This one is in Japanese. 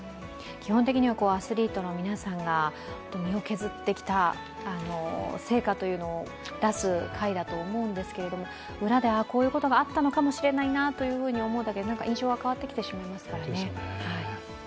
基本的にはアスリートの皆さんが削ってきた成果というのを出す会だと思うんですけど裏でこういうことがあったのかもしれないなと思うだけで印象は変わってきてしまいますからね。